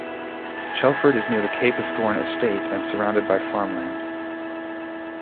Chelford is near the Capesthorne Estate and surrounded by farmland.